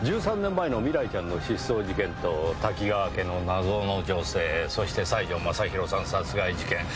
１３年前の未来ちゃんの失踪事件と多岐川家の謎の女性そして西條雅弘さん殺害事件。